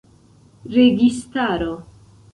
registaro